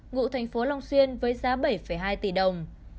ngụ tp long xuyên với giá bảy hai tỷ đồng